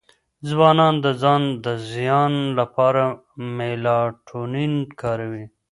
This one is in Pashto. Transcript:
ځوانان د ځان د زیان لپاره میلاټونین کاروي.